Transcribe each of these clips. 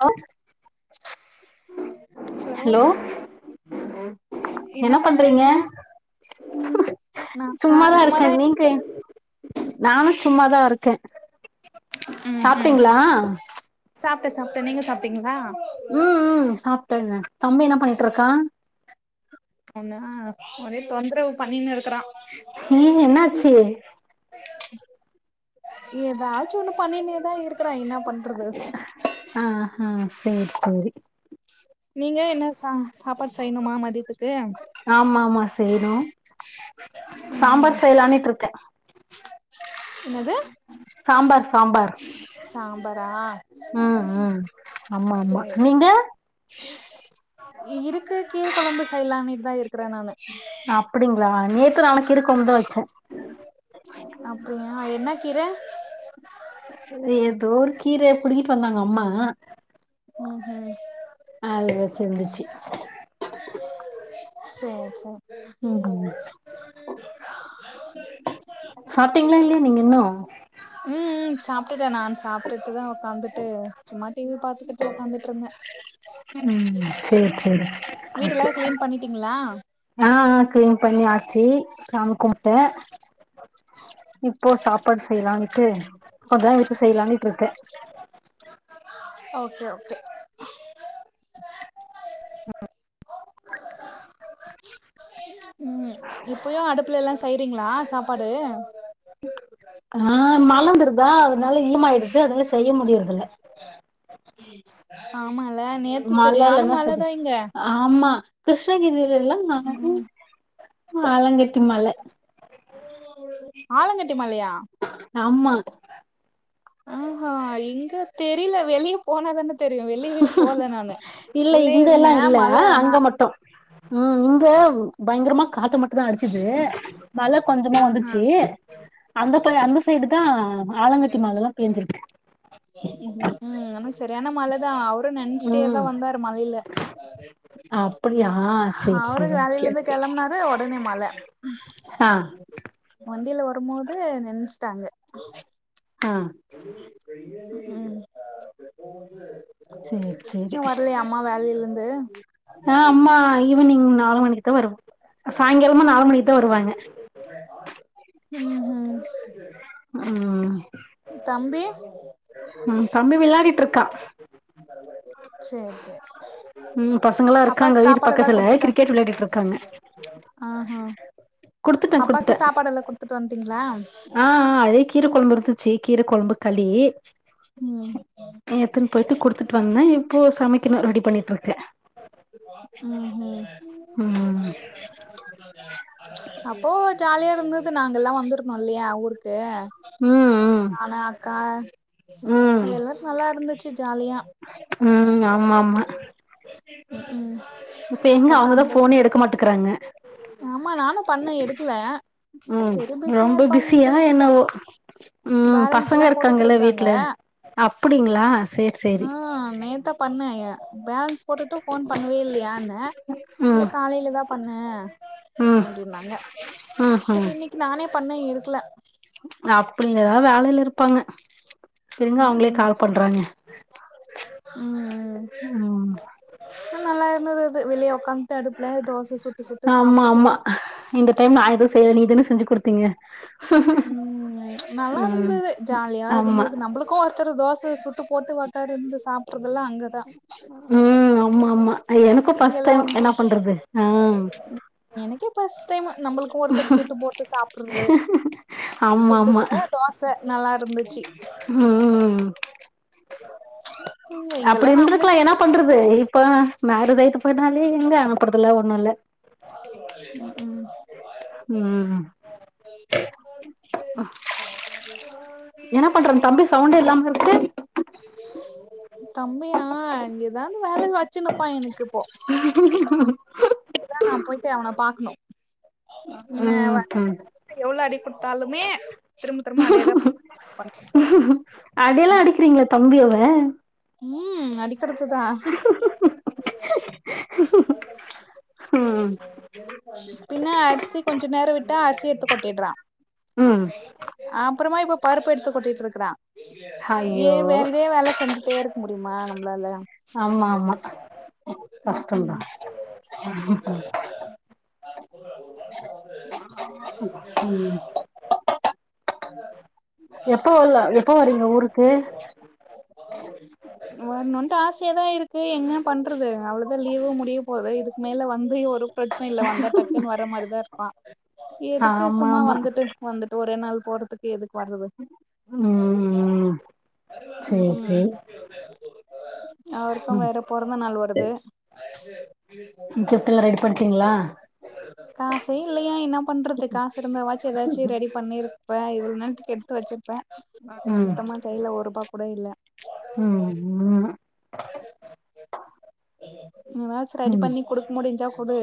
[unintelligible] hello ம் என்ன பண்றீங்க சும்மாதா இருக்கே நீங்க நானு சும்மாதா இருக்கே சாப்ட்டீங்ளா டே சாப்ட்டே நீங்க சாப்ட்டீங்ளா ம் ம் சாப்ட்டேங்க தம்பி என்ன பண்ணிட்ருக்கான் ஒன்னு அ ஒரே தொந்தரவு பண்ணினு இருக்குறா ஏ என்னாச்சு ஏதாச்சு ஒன்னு பண்ணினேதா இருக்குறான் என்னா பண் றது ஆ ஹ சேர் சேரி நீங்க என்ன சா சாப்பாடு செய்ணுமா மதியத்துக்கு செய்யணும் ம்ஹும் சாம்பார் செய்யலானிட்டுருக்கே என்னது சாம்பார் சாம்பார் சாம்பாரா ம் ம் ஆமா ஆமா சேர் சே நீங்க இருக்கு கீர கொழம்பு செயலானு தா இருக்குறேன் நானு அப்டிங் ளா நேத்து நாளைக்கு இருக்கு கொண்டு அப்டியா என்ன கீர ஏதோ ஒரு கீரைய புடிக்கிட்டு வந்தாங்க அம்மா ம் ஹும் அதுல செஞ்சுச்சி சேர் சேர் ம் ஹும் சாப்டீங்ளா இல்லையா நீங்க இன்னும் ம் ம் சாப்டுட்டே நான் சாப்டுட் இப்பதான் உக்காந்துட்டு சும்மா டி வி பாத்துட்டு உக்காந்துட்டு இருந்தே ம் சேரி சேரி வீடுல்லா ஓகே கிளீன் பண்ணிட்டீங்ளா ஆ கிளீன் பண்ணி ஆச்சி சாமி கும்டே இப்போ சாப்பாடு செய்யலான்ட்டு கொஞ்ச நேரோ விட்டு செய்யலாட்டு இருக்கே ஓகே ஓகே ஆஹ் ம் இப்பயு அடுப்புலல்லா செய்றீங்களா சாப்பாடு ஆஹ் மழவந்துருதா அதனால இரமாயிடுது அதனால செய்ய முடியறதில்ல ஆ ஆமா கிருஷ்ணகிரியில எல்லா மழ ஆலங்கட்டி மழ ஆளங்கட் ட்டி மழையா ஆமா ஆஹா இங்க தெரில வெளிய போனாதானே இல்ல உள்ளயே இங்கல்லா இருந்தே இல்ல மழ ஆனா அங்க மட்டு உம் இங்க பயங்கரமா காத்து மட் தா அடிச்சது மழ கொஞ்சமா ஆஹா வந்துச்சி அந்த பக் அந்த சைடு தா ஆலங்கட்டி மழல்லா பேஞ்சிருக்கு ம்ஹூம் ம் ஆனா சரியான மழ தா அவரு நனஞ்சிட்டே தா ம் வந்தாரு மழைல அப்படியா சேரி சேரி அவருக்கு ஓகே வேலையில இருந்து ஓகே கெளம்புனாறு உடனே மழ வண்டியில வரும்போது நெனஞ்சிட்டாங்க ஆஹ் க்கும் இருந்து ஆஹ் அம்மா ஈவினிங் நாலு மணிக்கு தா வருவா சாய்ந்திரமா நாலு மணிக்கு தா வருவாங்க உஹம் உஹம் உம் தம்பி உம் தம்பி விளையாடிட்டு இருக்கா சேரி சேரி ம் பசங்களா இருக்காங்க அப்பாக்கு வீட்டு சாப்பாடு எல்லா பக்கத்துல குடுத்துட்டோ கிரிக்கெட் விளையாடிட்டு இருக்காங்க குடுத்துட்டே அப்பாக்கு சாப்பாடு எல்லா குடுத்துட்டு வந்துட்டீங்களா ஆஹ் ஆஹ் அதே கீர கொழம்பு தா டுத்துச்சு கீர கொழம்பு களி ம் ஏத்துன் போயிட்டு குடுத்துட்டு வந்தேன் இப்போ சமைக்கனும் ரெடி பண்ணிட்டு இருக்கே ம் ஹு ம் ம் அப்போ ஜாலியா இருந்தது நாங்கெல்லா வந்துருந்தோ இல்லையா ஊருக்கு கே ம் ம் நானு அக்கா ம் அது எல்லா நல்லா இருந்தது ம் ஆ ஆமா ஆமா ம் ம் இப்ப எங்க அவுங்கதா உக்காந்துட்டு போனே எடுக்க மாட்டுக்குறாங்க ஆமா நானு பண்ணே எடுக்கல ம் சேரி பிஸியா ரொம்ப பிஸியா இருப்பாங்கன்ட்டு விட்டுட்டே என்னவோ ம் பேலன்ஸ் பசங்க எல்லா போட்டுட்டு இருக்காங்கல்ல இருக்காங்க வீட்ல அப்டிங்களா சேரி சேரி ஆ நேத்தா பண்ணே பேலன்ஸ் போட்டுட்டு போன் பண்ணவே இல்லியானே இல்ல ம் காலைல தா பண்ணே ம் அப்படினாங்க ம் ம் சேரி இன்னைக்கு நானே பண்ண எடுக் கில பண்ணு திரும்ப ம் அவுங்களே ம் கால் பண்றாங்க ம் ம் நல்லா இருந்தது அது விளையோ ஆமா சாப்ட்டுட்டு ஆமா இந்த டைம் நா எதுவு செய்யல நீதான செஞ்சு குடுத் த்தீங்க ம் ப்ச் நல்லா ம் இருந்தது ஜாலியா ஆமா இருந்தது நம்பளுக்கு ஒருத்தரு தோச து சுட்டு போட்டு ஒக்காரு இருந்து சாப்ட்டு டுருதெல்லா அங்கதா ம் ஆமா ஆமா எனக்கு ஃபஸ்ட் இங்கெல்லா டைம் வந்து என்னா பண்றது ஆ நம்புளுக்கு ஒருத்தர் சுட்டு போட்டு சாப்புறது ஆமா சுட்டு ஆமா சுட தோச நல்லா இருந்துச்சி ம் எங்க இங்கெல்லா நாம்பளே சுட்டு சாப்டனு இப்போ மேரேஜ் ஆயிட்டு போனாலே எங்க அனுப்புறதுல்ல ஒண்ணு இல்ல ம் ம் ம் என்னா பண்றது தம்பி சவுண்டு இல்லாம இருக்குது தம்பியா அங்கே ஏதாவது வேல வச்சுனுப்பா எனக்கு இப்போ தா நா போயிட்டு அவன பாக்கணு ம் ஹு தாலுமே திரும்ப திரும்ப அதேதா [unintelligible] தம்பியவெ ம் அடதுக்கடுத்துதான் ம் பின்ன அரிசி கொஞ்ச நேரோ விட்டா அரிசி எடுத்துக் கோட்ட கேட்டுறா ம் அ அப்பறமா இப்ப பருப்பு எடுத்து கொட்டிட்ருக்குறா ஏ ஐயோ வேற இதே வேல செஞ்சி ட்டே இருக்க முடியுமா நம்ளால ஆமா ஆமா ம் கஷ்டம்தா ம் ம் ஆஹ [inaudible] எப்போ வர்லா எப்போ வரீங்க ஊருக்கு வர்ணுன்ட்டு ஆசையாதா இருக்கு என்ன பண்றது அவ்ளோதா லீவு முடிய போது இதுக்கு மேல வந் து ஒரு ப்ரச்சனையு இல்ல வந்தா டக்குன்னு வர மாரிதா இருப்பா எதுக்கு ஆமா சும்மா ஆமா வந்துட்டு வந்துட்டு ஒரே நாள் போறத்துக்கு எதுக் வர்றது ம் ம் சேரி ம் சேரி அவருக்கு ம் வேற பொறந்த நாள் வருது கிஃப்ட் எல்லா ரெடி பண்ணிட்டீங்களா இல்லையா என்ன பண்றது காசு இருந்தாவாச்சி ஏதாச்சு ரெடி பண்ணிருப்ப இவ்ளோ நேத்துக்கு எடுத்து வச்சிருப்பே ம் சுத்தமா கைல ஒருபா கூட இல்ல [inaudible] ம் ம் நீ ஏதாச்சு ரெடி ம் பண்ணி குடுக்க முடிஞ்சா குடு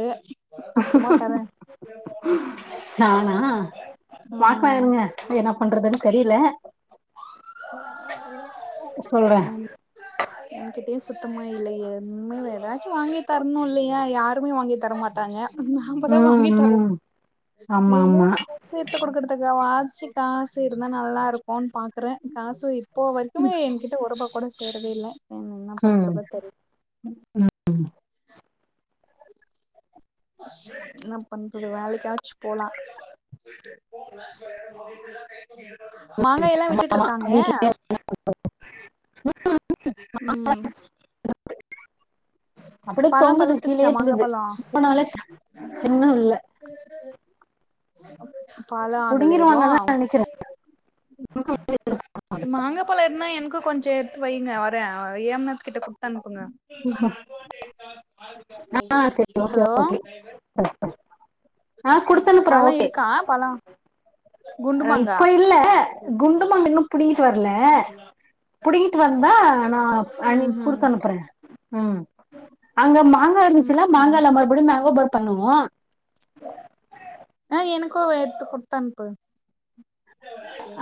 அப்புறமா தரே நானா பாக்ளா ம் இருங்க என்ன பண்றதுன் தெரியில சொல்ற என்கிட்டயு சுத்தமா இல்லையே உண்மை வேற ச்சி வாங்கி தர்ணு இல்லையா யாருமே வாங்கி தரமாட்டாங்க நாம்பதா வாங்கி ம் தரு ம் ஆமா ஏன்னா ஆமா [inaudible] சேத்துக் குடுக்கற்த்துக்கு அவ ஆ சி காசு இருந்தா நல்லா இருக் குன் பாக்குற காசு இ ப்போ வரைக்குமே என்கிட்ட ஒரூபா கூட சேரவே இல்ல என்ன ம் பண்றதோ தெரியல ம் என்ன பண்றது வேலைக்காச்சு போலா மாங்காயெல்லா விட்டுட்ருக்காங்க வீட்ல ம் அப்டியே பழம் தொங்குது பழுத்துருச்சா கீழயே மாங்கா தொங்குது பழோ இப்பனால இன்னு இல்ல [inaudible] பழொ ஆகல ஏது புடுங்கிருவாங்கன்னு தான் நினைக்கிறேன் மாங்கா பழொ இருந்தா எனக்கு கொஞ்சோ எடுத்து வைங்க வரே வயா மேம் கிட்ட கொடுத்தனுப்புங்க ஆ சரி ஓகே ஹலோ ஓகே ஆ குடுத்து அனுப்புறேன் பழாே ஓகே இருக்கா பழோ குண்டு மாங்கா இப்ப இல்ல குண்டுமாங்க இன்னும் புடிங்கிட்டு வரல புடிங்கிட்டு வந்தா நா அ ம் கொடுத்து அனுப்புறே ம் அங்க மா ங்கா ம் இருந்துச்சின்னா மாங்கால்ல மறுபடியு மேங்கோபார் பண்ணுவு வோ ஆ எனக்கும் வேர்த்து கொடுத்தனுப்பு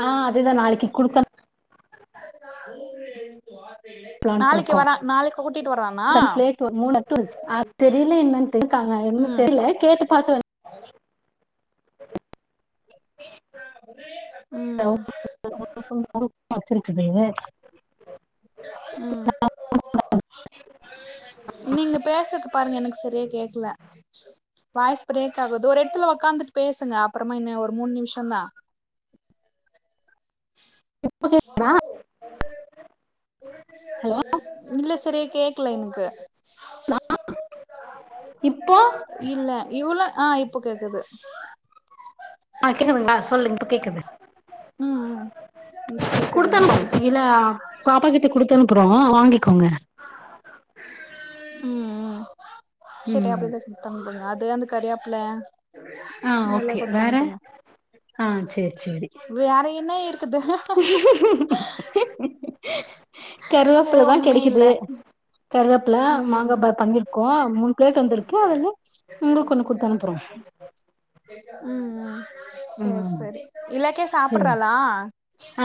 ஆ அதுதா நாளைக்கி குடுக்க [inaudible] அனுப்பலான் நாளைக்கு இருக்கோ வரா நாளைக்கு கூட்டிட்டு வரானா [inaudible] தெரியில இன்னன் இருக்காங்க என்னனு ம் தெரியல கேட்டு பாத்த ம் [inaudible] வச்சிருக்குதுங்க ம் [inaudible] நீங்க பேசுறது பாருங்க எனக்கு சரியா கேக்கல வாய்ஸ் பிரேக் ஆகுது ஒரு எடத்துல ஒக்காந்துட்டு பேசுங்க அப்புறமா என்ன ஒரு மூணு நிமிஷம் தா இப்போ கேக்குதா ஹலோ இல்ல சரியா கேக்கல எனக்கு இப் இல்ல இவ்வளோ ஆ இப்போ கேக்குது ஆ கேக்குதுகளா சொல்லுங் இப்ப கேக்குது ம் இப்ப கேக்குது எனக்கு குடுத்தனுப் இல்ல பாப்பா கிட்ட குடுத்தனுப்புறோ வாங்கிக்கோங்க ம் ம் சேரி ம் அப்டிதா குடுத்தாங்க போலய அது து அந்து கறியா ஆப்ல ஆ எல்லா கொடுத்து அனுப்புங்க சேர் சேரி என்ன இருக்கு க்குது கருவேப்பில தா கெடைக்குது கருவேப் ல மாங்கா ம் ம் பார் பண்ணிருக்கோ மூணு பிளேட் வந்திருக்கு அதுல உங்களுக்கு ஒன்னு கொடுத்து அனுப்புறோம் ம் சேரி ம் சேரி இலக்கியா சரி சாப்புட்றாளா ஹ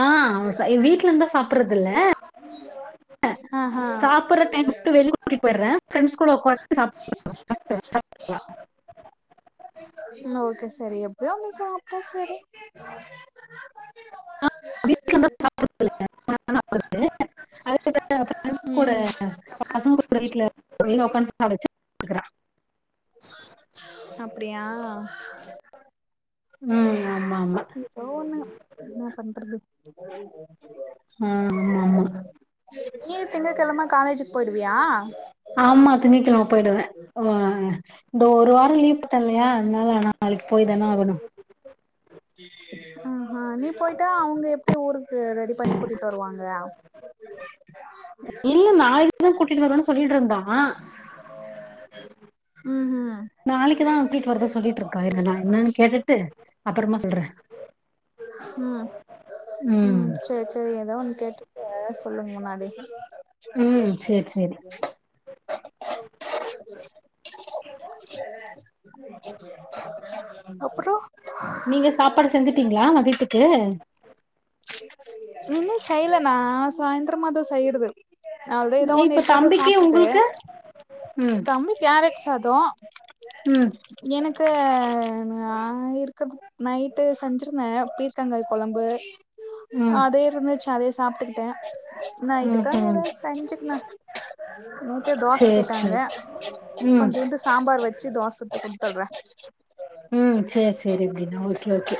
வீட்ல இருந்தா சாப்றது இல்ல ஆஹா சாப்படுற டைம் ட்டு வெளில கூட்டு போய்ற ஃபிரண்ட்ஸ் கூட ஒக்கான்டு சாப் செரி எப்டியோ ஒன்னு சாப்பிட்டா செரி வீட்ல இருந்தா சாப்பிடறது இல்ல அதே பிரண்ட்ஸ் கூட ம் என்ன அப்டியா [unintelligible] ம் ம் என்ன பண்றது ஆ ஆமா ஆமா நீயே திங்கட்கெழம காலேஜ் போய்டுவியா ஆமா திங்ககெழம போய்டுவ அ இந்த ஒருவ லீவ் போட்ட இல்லியா அதனால போய் தான ஆகணு ம் நீ போயிட்டா அவங்க எப்டி ஊருக்கு ரெடி பண்ணி கூட்டிட்டு வருவாங்க இல்ல நாளிக்குதா கூட்டிட்டு வரோ சொல்லிட்டு இருந்தாமா ம் ம் நாளாக்குதா கூட்டிட்டு வரதா சொல்லிட்டு இருக்கா இரு நா என்னன்னு கேட்டுட்டு அப்புறமா சொல்ற ம் ம் சேர் சேரி ஏதோ ஒன்னு கேட்டு [inaudible] சொல்லுங்க முன்னாடி ம் சேர் சேரி அப்புறோ நீங்க சாப்பாடு செஞ்சுட்டீங்களா வீட்டுக்கு இன்னு செய்யலண்ணா சாயந்திரமாதா செய்யிடுது இப்ப தம்பிக்கு உங்குளுக்கு தம்பி கேரட் சாதோ ம் எனக்கு கு அ‌ நா இருக்கிறது நைட்டு செஞ்சிருந்தே பீர்க்கங்காய் கொழம்பு ம் அதே இருந்துச்சு அதே சாப்பிட் ட்டே ம் நைட்டுக்கா ம் ஏதாவ்து செஞ்சுக்கலா நேத்தே தோச சேரி கேட்டாங்க சேரி ம் கொஞ்சூண்டு சாம்பார் வெச்சு தோச சொல்ற உம் சேர் சேரி சேரி அப்டின்னா ஓகே ஓகே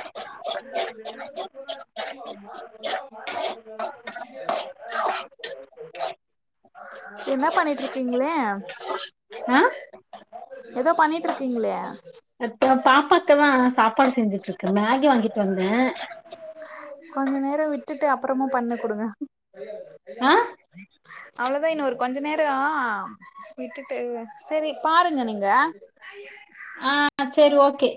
என்ன பண்ணிட்டு இருக்கீங்களே அ ஏதோ பண்ணிட்டு இருக்கீங்கிளே இப்ப பாப்பாக்கு தா சாப்பாடு செஞ்சுட்டு இருக்கே மேகி வாங்கிட்டு வந்தே கொஞ்ஜ நேரோ விட்டுட்டு அப்றமா பண்ண குடுங்க ஆஹ் அவ்ளோதா இன்னோ ஒரு கொஞ்ஜ நேரோ விட்டுட்டு சரி பாருங்க நீங்க ஆஹ் செரி ஓகே